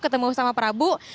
ketemu sama prabu